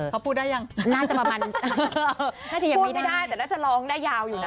พอพูดได้ยังน่าจะประมาณพูดไม่ได้แต่น่าจะร้องได้ยาวอยู่นะ